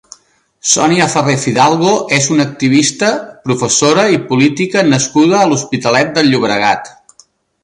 Sònia Farré Fidalgo és una activista, professora i política nascuda a l'Hospitalet de Llobregat.